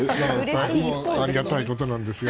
ありがたいことなんですが。